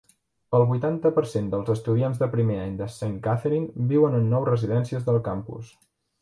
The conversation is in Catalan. El vuitanta per cent dels estudiants de primer any de Saint Catherine viuen en nou residències del campus.